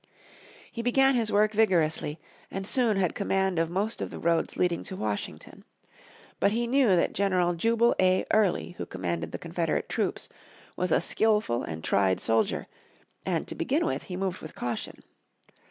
He began his work vigorously, and soon had command of most of the roads leading to Washington. But he knew that General Jubal A. Early who commanded the Confederate troops was a skilful and tried soldier, and, to begin with, he moved with caution.